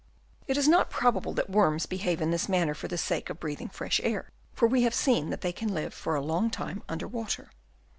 It is not probable that worms behave in this manner for the sake of breathing fresh air, for we have seen that they can live for a long time under water.